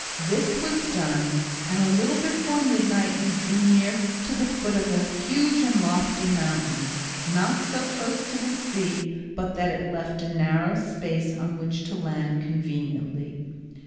This was done, and a little before midnight we drew near to the foot of a huge and lofty mountain, not so close to the sea but that it left a narrow space on which to land conveniently.